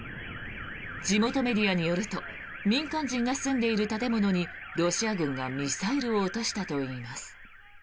地元メディアによると民間人が住んでいる建物にロシア軍がミサイルを落としたといいます。